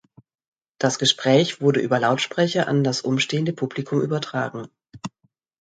Das Gespräch wurde über Lautsprecher an das umstehende Publikum übertragen.